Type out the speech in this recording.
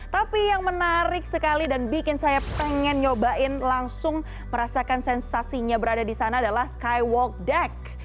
tapi yang menarik sekali dan bikin saya pengen nyobain langsung merasakan sensasinya berada di sana adalah skywalk deck